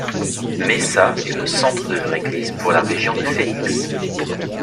Mesa est le centre de leur église pour la région de Phoenix.